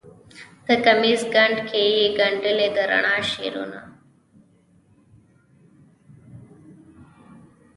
د کمیس ګنډ کې یې ګنډلې د رڼا شعرونه